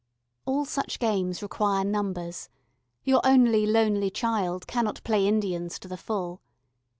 All such games require numbers; your only lonely child cannot play Indians to the full.